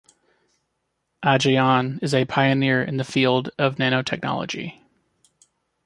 Ajayan is a pioneer in the field of nanotechnology.